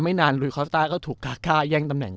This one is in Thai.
ไม่นานลุยคอสตาร์ก็ถูกกาก้าแย่ง